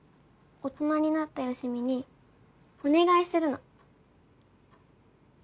大人になった好美にお願いするの。